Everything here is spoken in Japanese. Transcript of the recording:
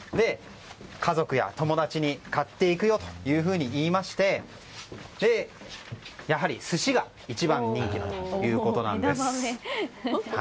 家族や友達に買っていくよというふうに言いましてやはり寿司が一番人気だということです。